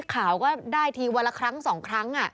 ข่าวก็ได้ทีวันละครั้ง๒ครั้ง